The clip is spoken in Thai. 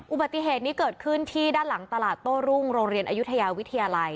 อุบัติเหตุนี้เกิดขึ้นที่ด้านหลังตลาดโต้รุ่งโรงเรียนอายุทยาวิทยาลัย